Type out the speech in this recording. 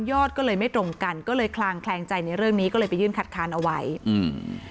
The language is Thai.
ก็เลยไม่ตรงกันก็เลยคลางแคลงใจในเรื่องนี้ก็เลยไปยื่นคัดค้านเอาไว้อืม